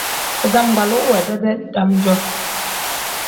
Bitangbaluu we dedee dam-jo.